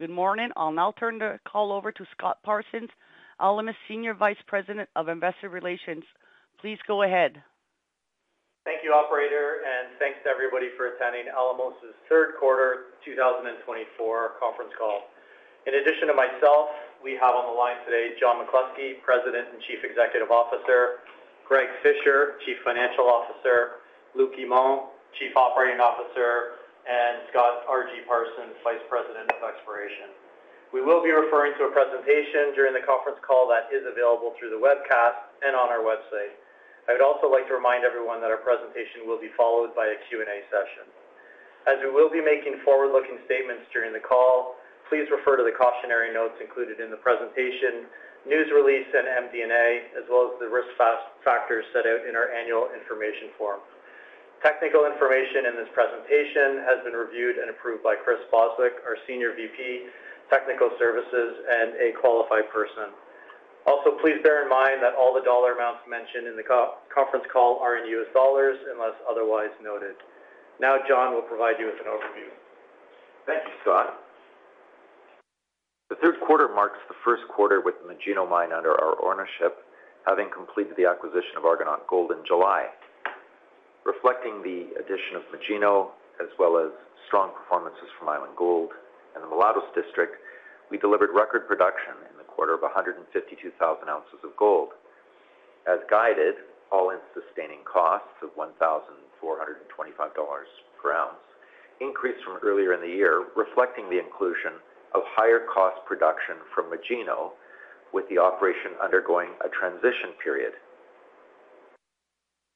Good morning. I'll now turn the call over to Scott Parsons, Alamos Senior Vice President of Investor Relations. Please go ahead. Thank you, Operator, and thanks to everybody for attending Alamos's Third Quarter 2024 Conference Call. In addition to myself, we have on the line today John McCluskey, President and Chief Executive Officer, Greg Fisher, Chief Financial Officer, Luc Guimond, Chief Operating Officer, and Scott R.G. Parsons, Vice President of Exploration. We will be referring to a presentation during the conference call that is available through the webcast and on our website. I would also like to remind everyone that our presentation will be followed by a Q&A session. As we will be making forward-looking statements during the call, please refer to the cautionary notes included in the presentation, news release, and MD&A, as well as the risk factors set out in our annual information form. Technical information in this presentation has been reviewed and approved by Chris Bostwick, our Senior VP, Technical Services, and a qualified person. Also, please bear in mind that all the dollar amounts mentioned in the conference call are in U.S. dollars unless otherwise noted. Now, John will provide you with an overview. Thank you, Scott. The third quarter marks the first quarter with the Magino Mine under our ownership, having completed the acquisition of Argonaut Gold in July. Reflecting the addition of Magino, as well as strong performances from Island Gold and the Mulatos District, we delivered record production in the quarter of 152,000 ounces of gold, and as guided all-in sustaining costs of $1,425 per ounce, increased from earlier in the year, reflecting the inclusion of higher cost production from Magino, with the operation undergoing a transition period.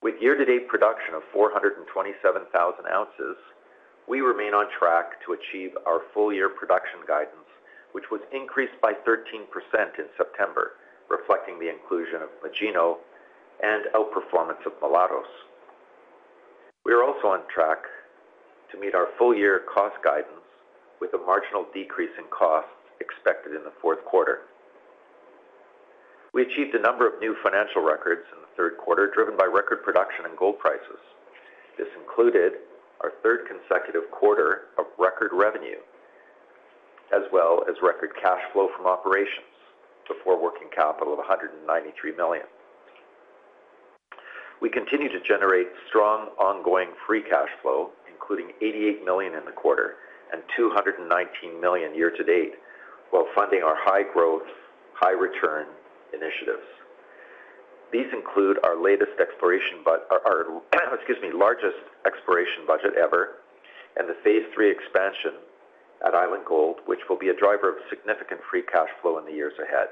With year-to-date production of 427,000 ounces, we remain on track to achieve our full-year production guidance, which was increased by 13% in September, reflecting the inclusion of Magino and outperformance of Mulatos. We are also on track to meet our full-year cost guidance, with a marginal decrease in costs expected in the fourth quarter. We achieved a number of new financial records in the third quarter, driven by record production and gold prices. This included our third consecutive quarter of record revenue, as well as record cash flow from operations, before working capital of $193 million. We continue to generate strong ongoing free cash flow, including $88 million in the quarter and $219 million year-to-date, while funding our high-growth, high-return initiatives. These include our latest exploration budget, excuse me, largest exploration budget ever, and the phase III expansion at Island Gold, which will be a driver of significant free cash flow in the years ahead.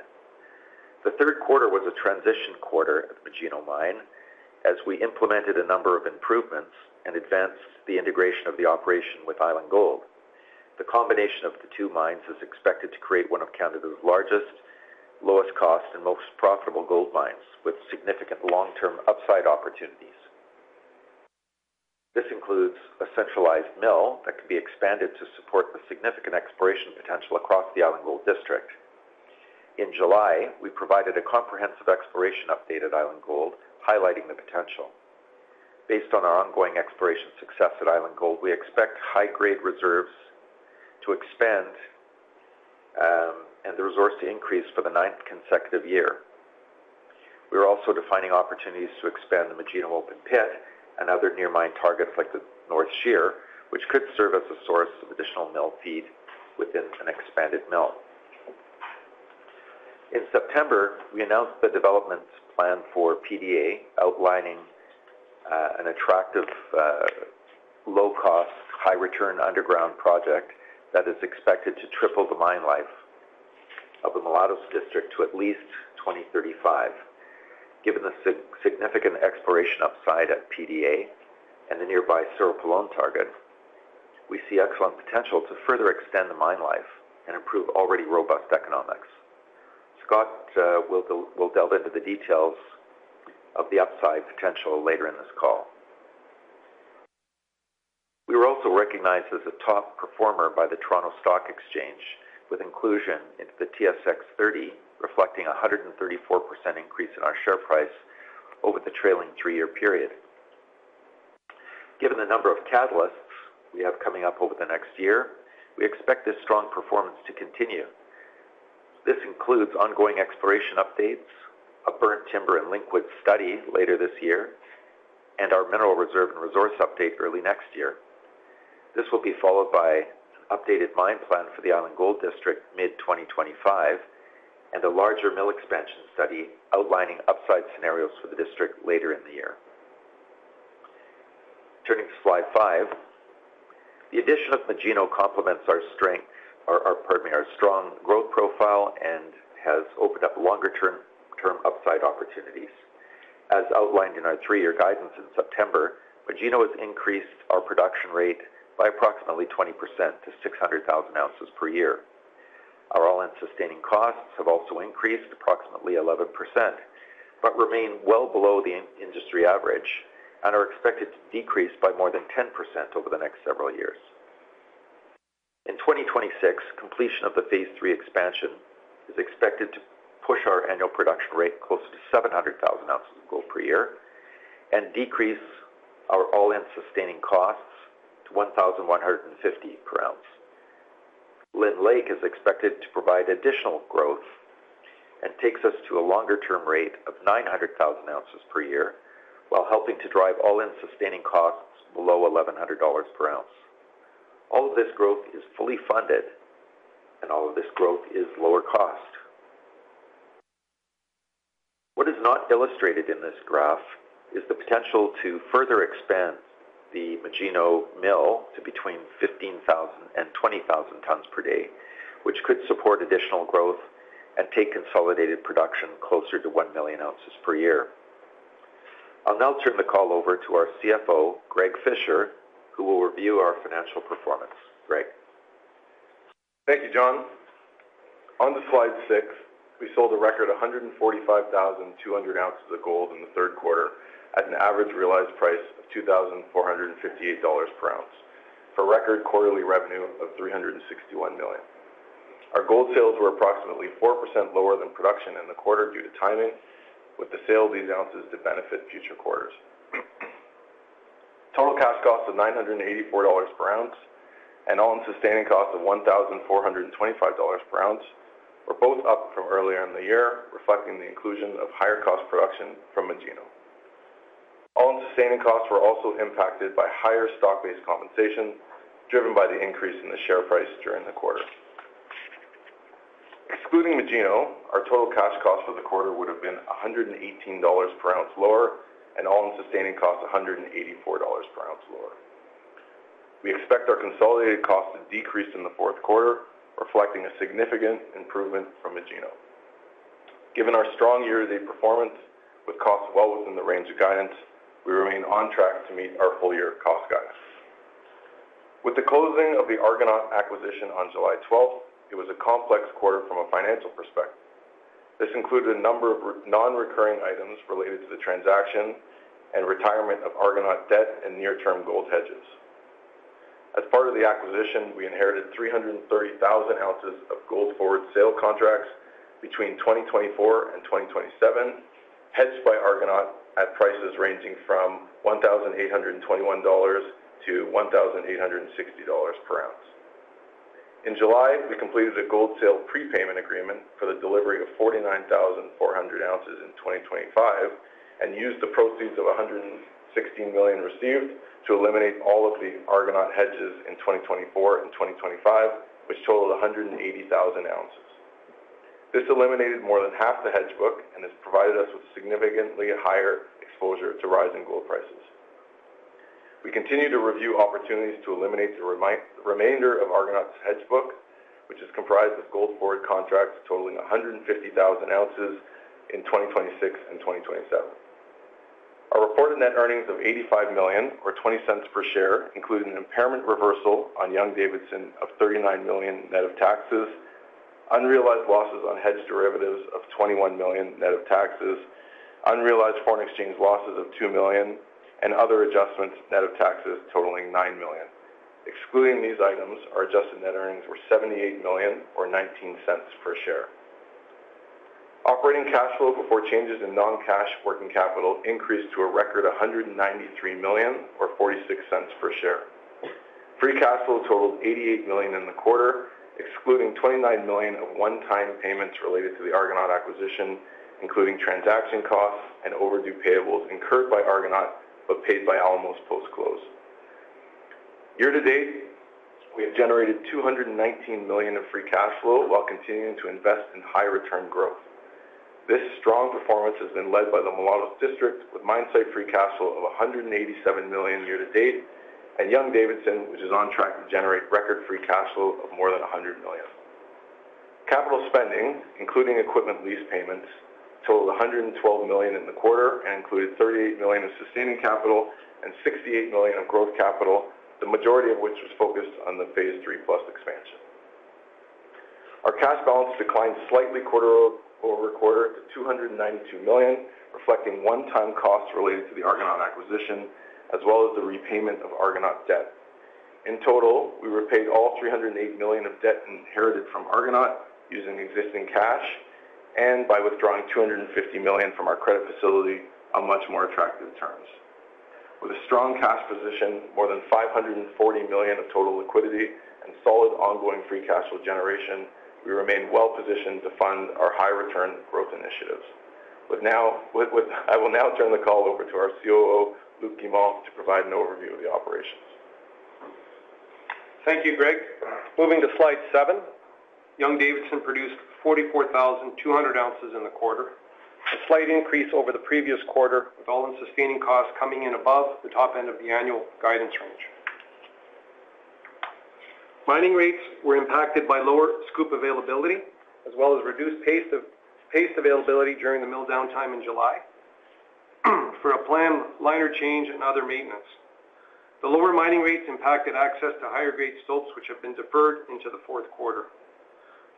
The third quarter was a transition quarter at the Magino Mine, as we implemented a number of improvements and advanced the integration of the operation with Island Gold. The combination of the two mines is expected to create one of Canada's largest, lowest-cost, and most profitable gold mines, with significant long-term upside opportunities. This includes a centralized mill that can be expanded to support the significant exploration potential across the Island Gold District. In July, we provided a comprehensive exploration update at Island Gold, highlighting the potential. Based on our ongoing exploration success at Island Gold, we expect high-grade reserves to expand and the resource to increase for the ninth consecutive year. We are also defining opportunities to expand the Magino open pit and other near-mine targets like the North Shear, which could serve as a source of additional mill feed within an expanded mill. In September, we announced the development plan for PDA, outlining an attractive, low-cost, high-return underground project that is expected to triple the mine life of the Mulatos District to at least 2035. Given the significant exploration upside at PDA and the nearby Cerro Pelon target, we see excellent potential to further extend the mine life and improve already robust economics. Scott will delve into the details of the upside potential later in this call. We were also recognized as a top performer by the Toronto Stock Exchange, with inclusion into the TSX 30, reflecting a 134% increase in our share price over the trailing three-year period. Given the number of catalysts we have coming up over the next year, we expect this strong performance to continue. This includes ongoing exploration updates, a Burnt Timber and Linkwood study later this year, and our mineral reserve and resource update early next year. This will be followed by an updated mine plan for the Island Gold District mid-2025 and a larger mill expansion study outlining upside scenarios for the district later in the year. Turning to slide five, the addition of Magino complements our strong growth profile and has opened up longer-term upside opportunities. As outlined in our three-year guidance in September, Magino has increased our production rate by approximately 20% to 600,000 ounces per year. Our all-in sustaining costs have also increased approximately 11% but remain well below the industry average and are expected to decrease by more than 10% over the next several years. In 2026, completion of the phase III expansion is expected to push our annual production rate closer to 700,000 ounces of gold per year and decrease our all-in sustaining costs to $1,150 per ounce. Lynn Lake is expected to provide additional growth and takes us to a longer-term rate of 900,000 ounces per year while helping to drive all-in sustaining costs below $1,100 per ounce. All of this growth is fully funded, and all of this growth is lower cost. What is not illustrated in this graph is the potential to further expand the Magino mill to between 15,000 and 20,000 tons per day, which could support additional growth and take consolidated production closer to 1 million ounces per year. I'll now turn the call over to our CFO, Greg Fisher, who will review our financial performance. Greg. Thank you, John. Onto slide six, we sold a record 145,200 ounces of gold in the third quarter at an average realized price of $2,458 per ounce for record quarterly revenue of $361 million. Our gold sales were approximately 4% lower than production in the quarter due to timing, with the sale of these ounces to benefit future quarters. Total cash costs of $984 per ounce and all-in sustaining costs of $1,425 per ounce were both up from earlier in the year, reflecting the inclusion of higher cost production from Magino. All-in sustaining costs were also impacted by higher stock-based compensation driven by the increase in the share price during the quarter. Excluding Magino, our total cash cost for the quarter would have been $118 per ounce lower and all-in sustaining costs $184 per ounce lower. We expect our consolidated costs to decrease in the fourth quarter, reflecting a significant improvement from Magino. Given our strong year-to-date performance with costs well within the range of guidance, we remain on track to meet our full-year cost guidance. With the closing of the Argonaut acquisition on July 12th, it was a complex quarter from a financial perspective. This included a number of non-recurring items related to the transaction and retirement of Argonaut debt and near-term gold hedges. As part of the acquisition, we inherited 330,000 ounces of gold forward sale contracts between 2024 and 2027, hedged by Argonaut at prices ranging from $1,821 to $1,860 per ounce. In July, we completed a gold sale prepayment agreement for the delivery of 49,400 ounces in 2025 and used the proceeds of $116 million received to eliminate all of the Argonaut hedges in 2024 and 2025, which totaled 180,000 ounces. This eliminated more than half the hedge book and has provided us with significantly higher exposure to rising gold prices. We continue to review opportunities to eliminate the remainder of Argonaut's hedge book, which is comprised of gold forward contracts totaling 150,000 ounces in 2026 and 2027. Our reported net earnings of $85 million, or $0.20 per share, include an impairment reversal on Young-Davidson of $39 million net of taxes, unrealized losses on hedged derivatives of $21 million net of taxes, unrealized foreign exchange losses of $2 million, and other adjustments net of taxes totaling $9 million. Excluding these items, our adjusted net earnings were $78 million, or $0.19 per share. Operating cash flow before changes in non-cash working capital increased to a record $193 million, or $0.46 per share. Free cash flow totaled $88 million in the quarter, excluding $29 million of one-time payments related to the Argonaut acquisition, including transaction costs and overdue payables incurred by Argonaut but paid by Alamos post-close. Year-to-date, we have generated $219 million of free cash flow while continuing to invest in high-return growth. This strong performance has been led by the Mulatos District with mine site free cash flow of $187 million year-to-date and Young-Davidson, which is on track to generate record free cash flow of more than $100 million. Capital spending, including equipment lease payments, totaled $112 million in the quarter and included $38 million of sustaining capital and $68 million of growth capital, the majority of which was focused on the phase III+ expansion. Our cash balance declined slightly quarter over quarter to $292 million, reflecting one-time costs related to the Argonaut acquisition, as well as the repayment of Argonaut debt. In total, we repaid all $308 million of debt inherited from Argonaut using existing cash and by withdrawing $250 million from our credit facility on much more attractive terms. With a strong cash position, more than $540 million of total liquidity, and solid ongoing free cash flow generation, we remain well-positioned to fund our high-return growth initiatives. I will now turn the call over to our COO, Luc Guimond, to provide an overview of the operations. Thank you, Greg. Moving to slide seven, Young-Davidson produced 44,200 ounces in the quarter, a slight increase over the previous quarter, with all-in sustaining costs coming in above the top end of the annual guidance range. Mining rates were impacted by lower scoop availability, as well as reduced paste availability during the mill downtime in July for a planned liner change and other maintenance. The lower mining rates impacted access to higher-grade stopes, which have been deferred into the fourth quarter.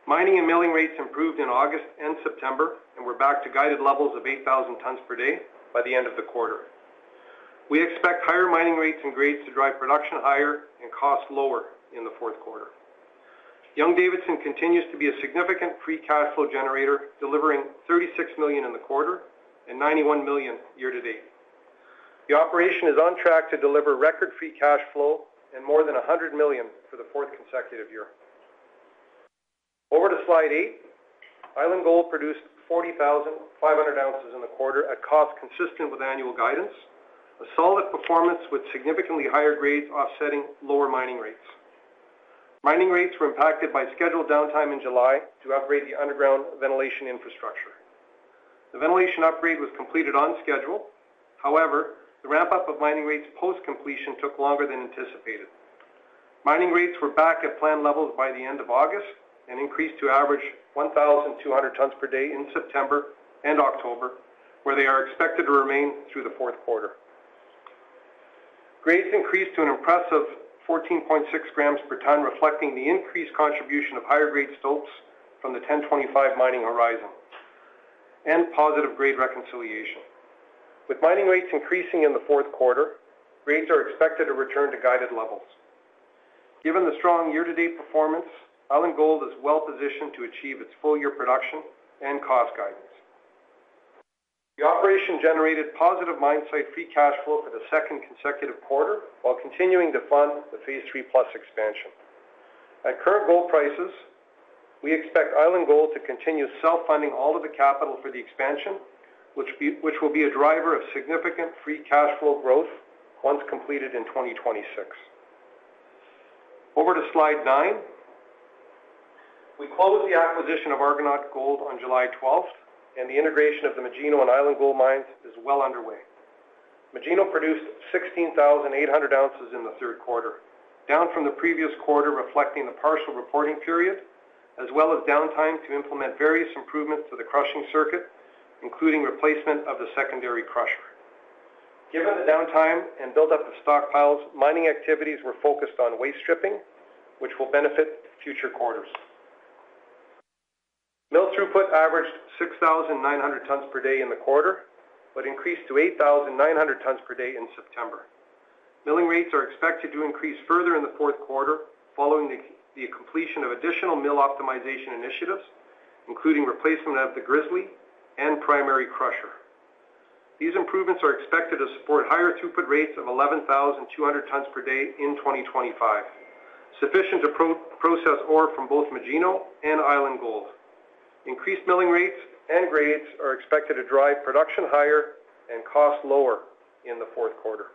Mining and milling rates improved in August and September and were back to guided levels of 8,000 tons per day by the end of the quarter. We expect higher mining rates and grades to drive production higher and costs lower in the fourth quarter. Young-Davidson continues to be a significant free cash flow generator, delivering $36 million in the quarter and $91 million year-to-date. The operation is on track to deliver record free cash flow and more than $100 million for the fourth consecutive year. Over to slide eight, Island Gold produced 40,500 ounces in the quarter at costs consistent with annual guidance, a solid performance with significantly higher grades offsetting lower mining rates. Mining rates were impacted by scheduled downtime in July to upgrade the underground ventilation infrastructure. The ventilation upgrade was completed on schedule. However, the ramp-up of mining rates post-completion took longer than anticipated. Mining rates were back at planned levels by the end of August and increased to average 1,200 tons per day in September and October, where they are expected to remain through the fourth quarter. Grades increased to an impressive 14.6 grams per ton, reflecting the increased contribution of higher-grade stopes from the 1025 mining horizon and positive grade reconciliation. With mining rates increasing in the fourth quarter, grades are expected to return to guided levels. Given the strong year-to-date performance, Island Gold is well-positioned to achieve its full-year production and cost guidance. The operation generated positive mine site free cash flow for the second consecutive quarter while continuing to fund the phase III plus expansion. At current gold prices, we expect Island Gold to continue self-funding all of the capital for the expansion, which will be a driver of significant free cash flow growth once completed in 2026. Over to slide nine, we close the acquisition of Argonaut Gold on July 12th, and the integration of the Magino and Island Gold mines is well underway. Magino produced 16,800 ounces in the third quarter, down from the previous quarter, reflecting the partial reporting period, as well as downtime to implement various improvements to the crushing circuit, including replacement of the secondary crusher. Given the downtime and build-up of stockpiles, mining activities were focused on waste stripping, which will benefit future quarters. Mill throughput averaged 6,900 tons per day in the quarter but increased to 8,900 tons per day in September. Milling rates are expected to increase further in the fourth quarter following the completion of additional mill optimization initiatives, including replacement of the grizzly and primary crusher. These improvements are expected to support higher throughput rates of 11,200 tons per day in 2025, sufficient to process ore from both Magino and Island Gold. Increased milling rates and grades are expected to drive production higher and costs lower in the fourth quarter.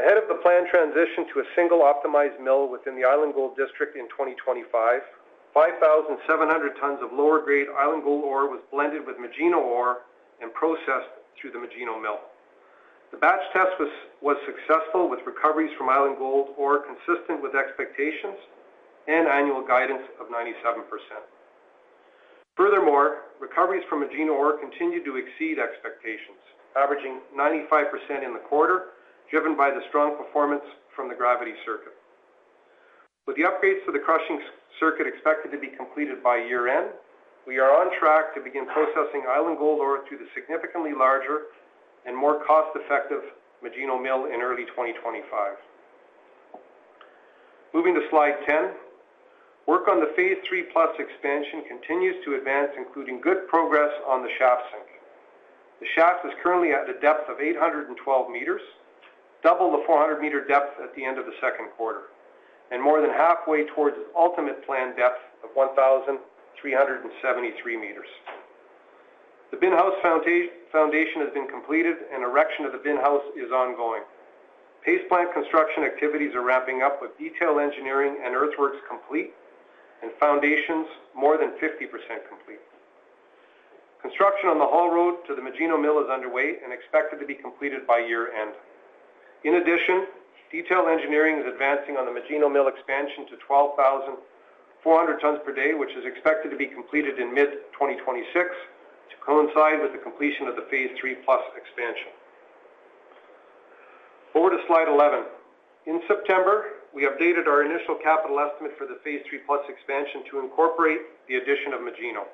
Ahead of the planned transition to a single optimized mill within the Island Gold District in 2025, 5,700 tons of lower-grade Island Gold ore was blended with Magino ore and processed through the Magino mill. The batch test was successful, with recoveries from Island Gold ore consistent with expectations and annual guidance of 97%. Furthermore, recoveries from Magino ore continued to exceed expectations, averaging 95% in the quarter, driven by the strong performance from the gravity circuit. With the upgrades to the crushing circuit expected to be completed by year-end, we are on track to begin processing Island Gold ore through the significantly larger and more cost-effective Magino mill in early 2025. Moving to slide ten, work on the Phase III+ expansion continues to advance, including good progress on the shaft sink. The shaft is currently at a depth of 812 meters, double the 400-meter depth at the end of the second quarter, and more than halfway towards its ultimate planned depth of 1,373 meters. The bin house foundation has been completed, and erection of the bin house is ongoing. Paste plant construction activities are wrapping up, with detailed engineering and earthworks complete and foundations more than 50% complete. Construction on the haul road to the Magino mill is underway and expected to be completed by year-end. In addition, detailed engineering is advancing on the Magino mill expansion to 12,400 tons per day, which is expected to be completed in mid-2026 to coincide with the completion of the Phase III+ expansion. Over to slide 11. In September, we updated our initial capital estimate for the Phase III+ expansion to incorporate the addition of Magino.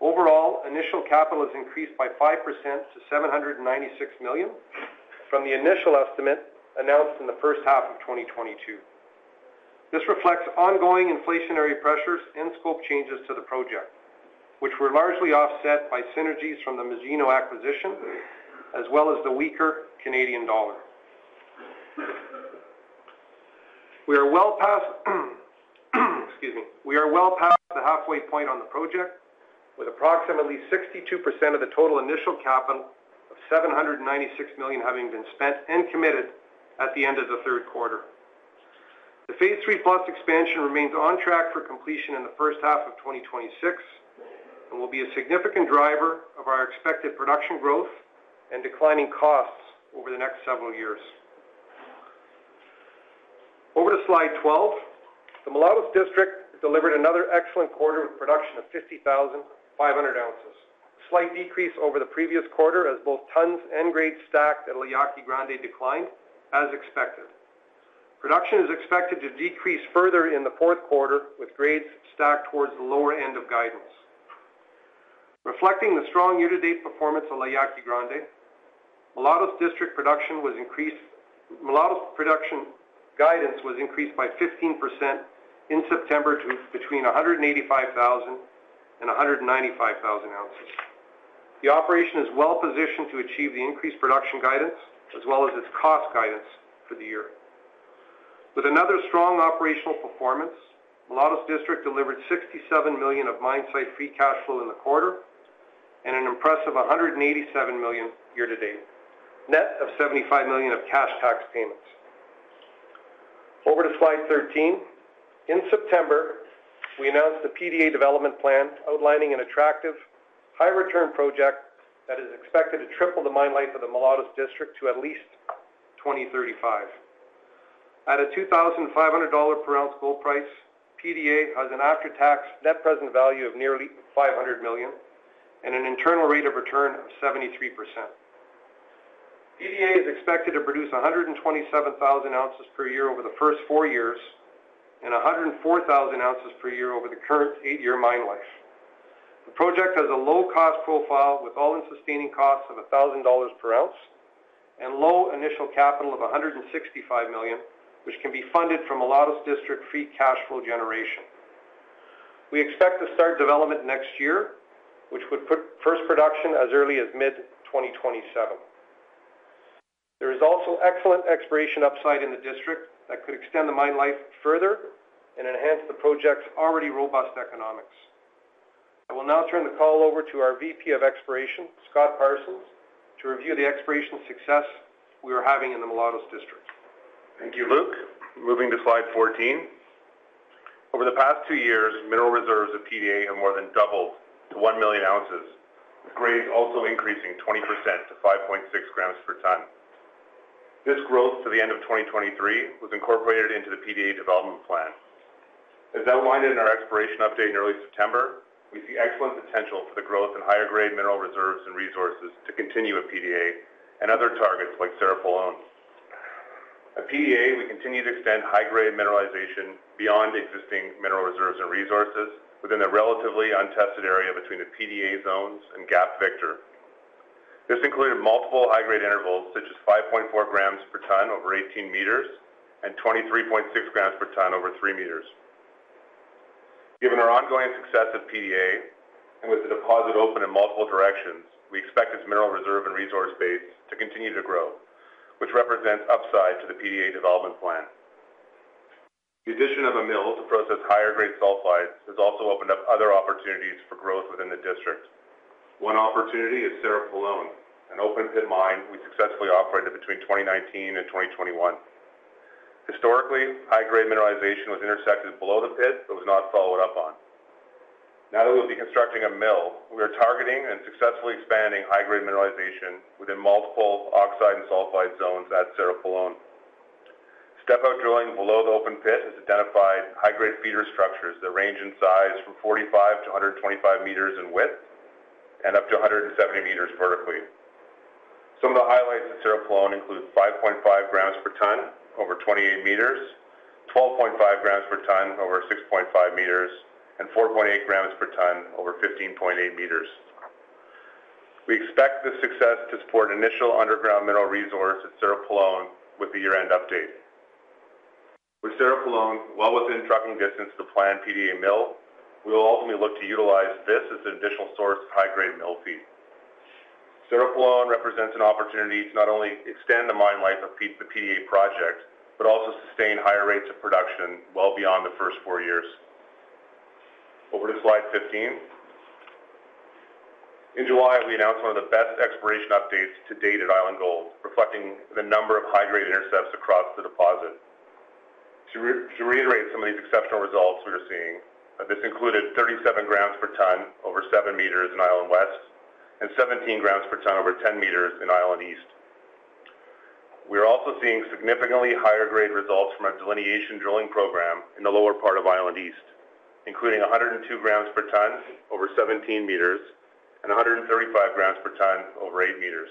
Overall, initial capital has increased by 5% to $796 million from the initial estimate announced in the first half of 2022. This reflects ongoing inflationary pressures and scope changes to the project, which were largely offset by synergies from the Magino acquisition, as well as the weaker Canadian dollar. We are well past the halfway point on the project, with approximately 62% of the total initial capital of $796 million having been spent and committed at the end of the third quarter. The Phase III+ Expansion remains on track for completion in the first half of 2026 and will be a significant driver of our expected production growth and declining costs over the next several years. Over to slide 12, the Mulatos District delivered another excellent quarter with production of 50,500 ounces, a slight decrease over the previous quarter as both tons and grades stacked at El Yaqui Grande declined, as expected. Production is expected to decrease further in the fourth quarter with grades stacked towards the lower end of guidance. Reflecting the strong year-to-date performance of El Yaqui Grande, Mulatos District production guidance was increased by 15% in September to between 185,000 and 195,000 ounces. The operation is well-positioned to achieve the increased production guidance, as well as its cost guidance for the year. With another strong operational performance, Mulatos District delivered $67 million of mine site free cash flow in the quarter and an impressive $187 million year-to-date, net of $75 million of cash tax payments. Over to slide 13. In September, we announced the PDA development plan outlining an attractive high-return project that is expected to triple the mine life of the Mulatos District to at least 2035. At a $2,500 per ounce gold price, PDA has an after-tax net present value of nearly $500 million and an internal rate of return of 73%. PDA is expected to produce 127,000 ounces per year over the first four years and 104,000 ounces per year over the current eight-year mine life. The project has a low-cost profile with all-in sustaining costs of $1,000 per ounce and low initial capital of $165 million, which can be funded from Mulatos District free cash flow generation. We expect to start development next year, which would put first production as early as mid-2027. There is also excellent exploration upside in the district that could extend the mine life further and enhance the project's already robust economics. I will now turn the call over to our VP of Exploration, Scott Parsons, to review the exploration success we are having in the Mulatos District. Thank you, Luc. Moving to slide 14. Over the past two years, mineral reserves at PDA have more than doubled to 1 million ounces, with grades also increasing 20% to 5.6 grams per ton. This growth to the end of 2023 was incorporated into the PDA development plan. As outlined in our exploration update in early September, we see excellent potential for the growth in higher-grade mineral reserves and resources to continue at PDA and other targets like Cerro Pelon. At PDA, we continue to extend high-grade mineralization beyond existing mineral reserves and resources within the relatively untested area between the PDA zones and Gap Victor. This included multiple high-grade intervals such as 5.4 grams per ton over 18 meters and 23.6 grams per ton over 3 meters. Given our ongoing success at PDA and with the deposit open in multiple directions, we expect its mineral reserve and resource base to continue to grow, which represents upside to the PDA development plan. The addition of a mill to process higher-grade sulfides has also opened up other opportunities for growth within the district. One opportunity is Cerro Pelon, an open-pit mine we successfully operated between 2019 and 2021. Historically, high-grade mineralization was intersected below the pit but was not followed up on. Now that we will be constructing a mill, we are targeting and successfully expanding high-grade mineralization within multiple oxide and sulfide zones at Cerro Pelon. Step-out drilling below the open pit has identified high-grade feeder structures that range in size from 45 to 125 meters in width and up to 170 meters vertically. Some of the highlights at Cerro Pelon include 5.5 grams per ton over 28 meters, 12.5 grams per ton over 6.5 meters, and 4.8 grams per ton over 15.8 meters. We expect this success to support initial underground mineral resource at Cerro Pelon with the year-end update. With Cerro Pelon well within trucking distance of the planned PDA mill, we will ultimately look to utilize this as an additional source of high-grade mill feed. Cerro Pelon represents an opportunity to not only extend the mine life of the PDA project but also sustain higher rates of production well beyond the first four years. Over to slide 15. In July, we announced one of the best exploration updates to date at Island Gold, reflecting the number of high-grade intercepts across the deposit. To reiterate some of these exceptional results we are seeing, this included 37 grams per ton over 7 meters in Island West and 17 grams per ton over 10 meters in Island East. We are also seeing significantly higher-grade results from our delineation drilling program in the lower part of Island East, including 102 grams per ton over 17 meters and 135 grams per ton over 8 meters.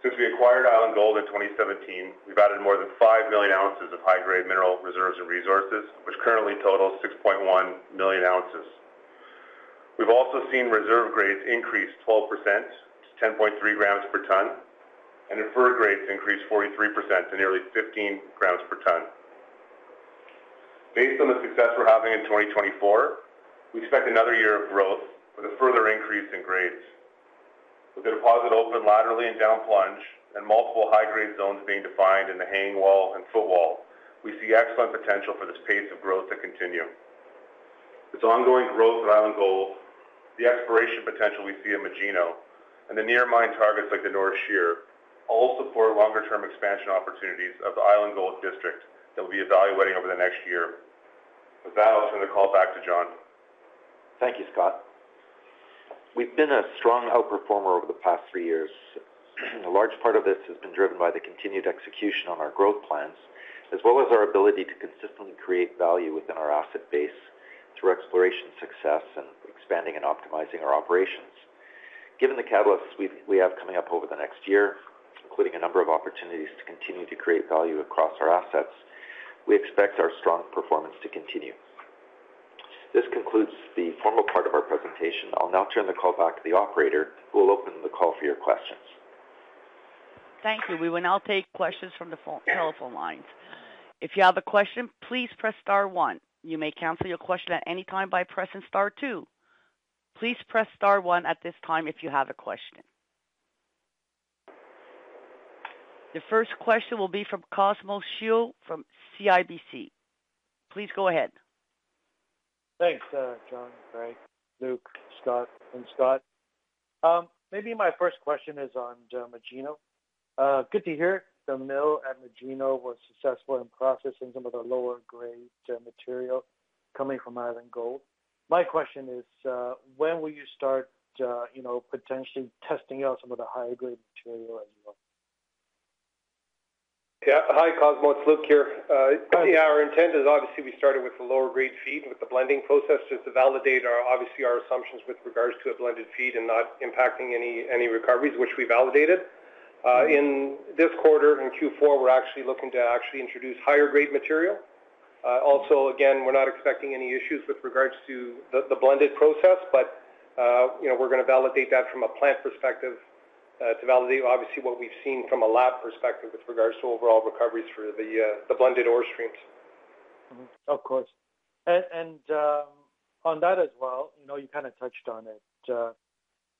Since we acquired Island Gold in 2017, we've added more than 5 million ounces of high-grade mineral reserves and resources, which currently total 6.1 million ounces. We've also seen reserve grades increase 12% to 10.3 grams per ton, and inferred grades increase 43% to nearly 15 grams per ton. Based on the success we're having in 2024, we expect another year of growth with a further increase in grades. With the deposit open laterally and down plunge and multiple high-grade zones being defined in the hanging wall and footwall, we see excellent potential for this pace of growth to continue. This ongoing growth of Island Gold, the exploration potential we see at Magino, and the near mine targets like the North Shear all support longer-term expansion opportunities of the Island Gold District that we'll be evaluating over the next year. With that, I'll turn the call back to John. Thank you, Scott. We've been a strong outperformer over the past three years. A large part of this has been driven by the continued execution on our growth plans, as well as our ability to consistently create value within our asset base through exploration success and expanding and optimizing our operations. Given the catalysts we have coming up over the next year, including a number of opportunities to continue to create value across our assets, we expect our strong performance to continue. This concludes the formal part of our presentation. I'll now turn the call back to the operator, who will open the call for your questions. Thank you. We will now take questions from the telephone lines. If you have a question, please press star one. You may cancel your question at any time by pressing star two. Please press star one at this time if you have a question. The first question will be from Cosmos Chiu from CIBC. Please go ahead. Thanks, John, Greg, Luc, Scott, and Scott. Maybe my first question is on Magino. Good to hear it. The mill at Magino was successful in processing some of the lower-grade material coming from Island Gold. My question is, when will you start potentially testing out some of the high-grade material as well? Yeah, hi, Cosmos. It's Luc here. Yeah, our intent is obviously we started with the lower-grade feed with the blending process just to validate obviously our assumptions with regards to a blended feed and not impacting any recoveries, which we validated. In this quarter, in Q4, we're actually looking to actually introduce higher-grade material. Also, again, we're not expecting any issues with regards to the blended process, but we're going to validate that from a plant perspective to validate obviously what we've seen from a lab perspective with regards to overall recoveries for the blended ore streams. Of course. And on that as well, you kind of touched on it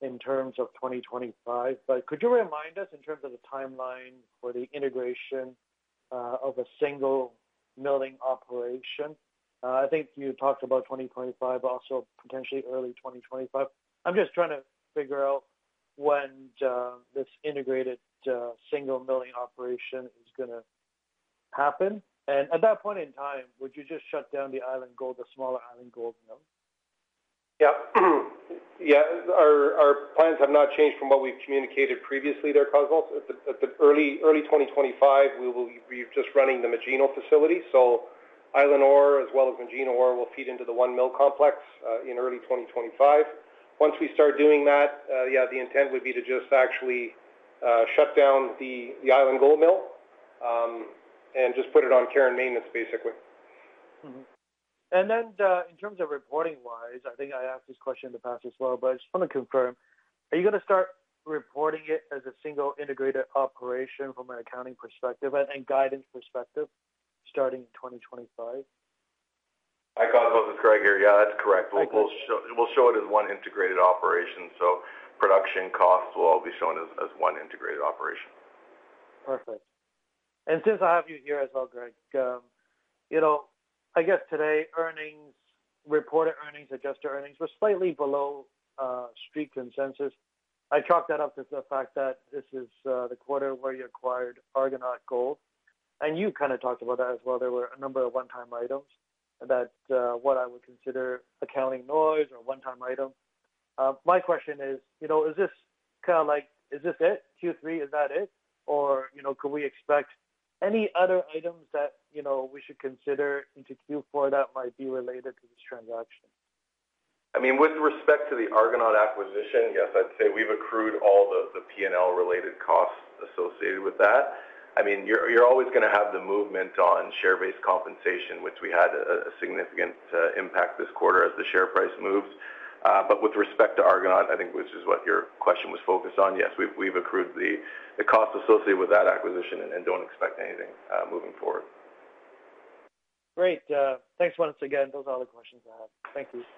in terms of 2025, but could you remind us in terms of the timeline for the integration of a single milling operation? I think you talked about 2025, also potentially early 2025. I'm just trying to figure out when this integrated single milling operation is going to happen. And at that point in time, would you just shut down the Island Gold, the smaller Island Gold mill? Yeah. Yeah. Our plans have not changed from what we've communicated previously there, Cosmos. In early 2025, we're just running the Magino facility. So Island ore, as well as Magino ore, will feed into the one mill complex in early 2025. Once we start doing that, yeah, the intent would be to just actually shut down the Island Gold mill and just put it on care and maintenance, basically. And then in terms of reporting-wise, I think I asked this question in the past as well, but I just want to confirm, are you going to start reporting it as a single integrated operation from an accounting perspective and guidance perspective starting in 2025? Hi, Cosmos. This is Greg here. Yeah, that's correct. We'll show it as one integrated operation. So production costs will all be shown as one integrated operation. Perfect. And since I have you here as well, Greg, I guess today reported earnings, adjusted earnings were slightly below street consensus. I chalk that up to the fact that this is the quarter where you acquired Argonaut Gold. And you kind of talked about that as well. There were a number of one-time items that, what I would consider, accounting noise or one-time items. My question is, is this kind of like, is this it? Q3, is that it? Or could we expect any other items that we should consider into Q4 that might be related to this transaction? I mean, with respect to the Argonaut acquisition, yes, I'd say we've accrued all the P&L-related costs associated with that. I mean, you're always going to have the movement on share-based compensation, which we had a significant impact this quarter as the share price moves. But with respect to Argonaut, I think which is what your question was focused on, yes, we've accrued the cost associated with that acquisition and don't expect anything moving forward. Great. Thanks once again. Those are all the questions I have. Thank you.